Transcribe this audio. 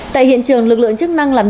tại hiện trường lực lượng chức năng làm nhậu